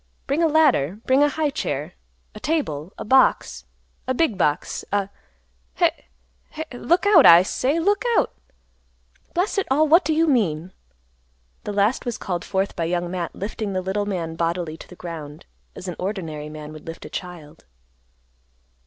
Bring a ladder. Bring a high chair, a table, a box, a big box, a—heh—heh—Look out, I say, look out! Blast it all, what do you mean?" This last was called forth by Young Matt lifting the little man bodily to the ground, as an ordinary man would lift a child.